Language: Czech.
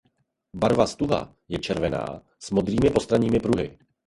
Barva stuha je červená s modrými postranními pruhy.